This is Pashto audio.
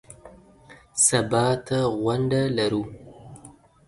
سبا ته غونډه لرو .